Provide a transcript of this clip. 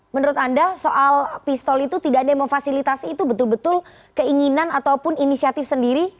menurut anda soal pistol itu tidak ada yang memfasilitasi itu betul betul keinginan ataupun inisiatif sendiri